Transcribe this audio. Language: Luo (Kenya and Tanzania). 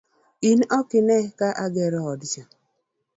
in okine ka agero odcha?